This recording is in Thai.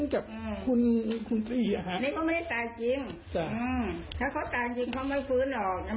ก็คือไม่ตายจริง